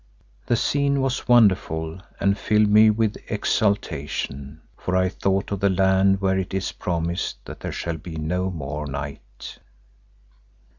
The scene was wonderful and filled me with exaltation, for I thought of the land where it is promised that there shall be no more night.